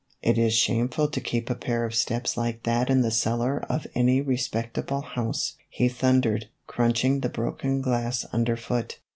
" It is shameful to keep a pair of steps like that in the cellar of any respectable house," he thun dered, crunching the broken glass under foot.